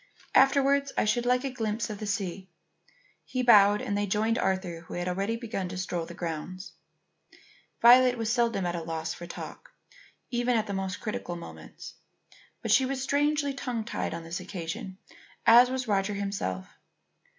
Afterwards, I should like a glimpse of the sea." He bowed and they joined Arthur who had already begun to stroll through the grounds. Violet was seldom at a loss for talk even at the most critical moments. But she was strangely tongue tied on this occasion, as was Roger himself.